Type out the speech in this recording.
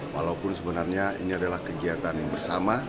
walau puh sebenarnya ini adalah kegiatan yang bersama